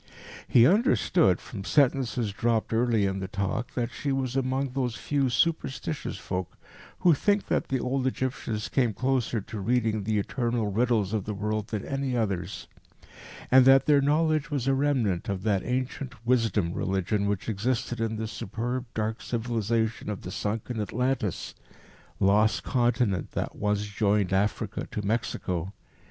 He understood, from sentences dropped early in the talk, that she was among those few "superstitious" folk who think that the old Egyptians came closer to reading the eternal riddles of the world than any others, and that their knowledge was a remnant of that ancient Wisdom Religion which existed in the superb, dark civilization of the sunken Atlantis, lost continent that once joined Africa to Mexico.